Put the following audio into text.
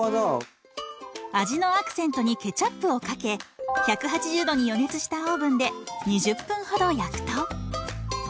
味のアクセントにケチャップをかけ１８０度に予熱したオーブンで２０分ほど焼くと。